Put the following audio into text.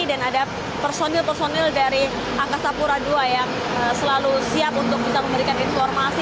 dan ada personil personil dari angkasa pura ii yang selalu siap untuk kita memberikan informasi